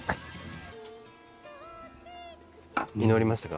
祈りましたか？